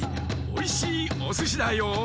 おいしいおすしだよ。